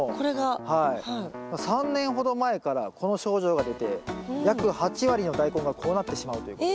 ３年ほど前からこの症状が出て約８割のダイコンがこうなってしまうということで。